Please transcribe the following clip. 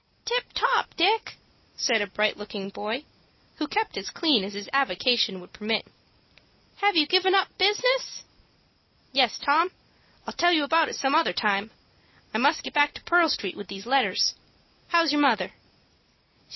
"Tip top, Dick," said a bright looking boy, who kept as clean as his avocation would permit. "Have you given up business?" "Yes, Tom. I'll tell you about it some other time. I must get back to Pearl Street with these letters. How's your mother?"